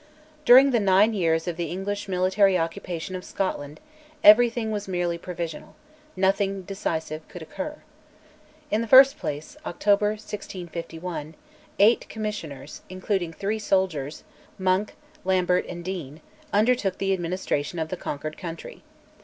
During the nine years of the English military occupation of Scotland everything was merely provisional; nothing decisive could occur. In the first place (October 1651), eight English Commissioners, including three soldiers, Monk, Lambert, and Deane, undertook the administration of the conquered country.